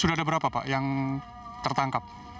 sudah ada berapa pak yang tertangkap